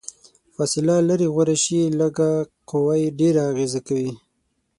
فاصله لرې غوره شي، لږه قوه ډیره اغیزه کوي.